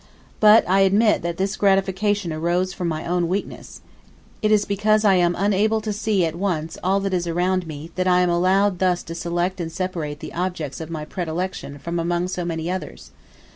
But I admit that this gratification arose from my own weakness: it is because I am unable to see at once all that is around me, that I am allowed thus to select and separate the objects of my predilection from among so many others.